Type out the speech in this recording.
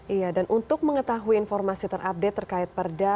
iya dan untuk mengetahui informasi terupdate terkait perda